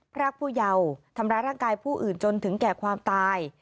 พรากผู้เยาว์ทำร้ายร่างกายผู้อื่นจนถึงแก่ความตาย